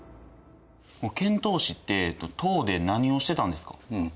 遣唐使って唐で何をしてたんですか？